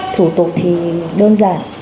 thủ tục thì đơn giản